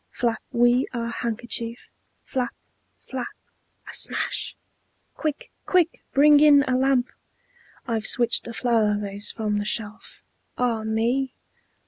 Flap we our handkerchief; Flap, flap! (A smash.) Quick, quick, bring in a lamp! I've switched a flower vase from the shelf. Ah me!